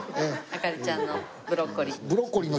杏華里ちゃんのブロッコリー。